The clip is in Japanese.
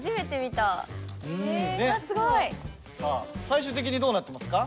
最終的にどうなってますか？